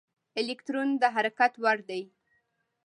الکترون د حرکت وړ دی.